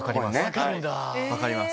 分かります。